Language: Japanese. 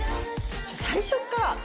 最初っから。